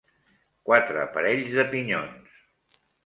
Quatre parells de pinyons.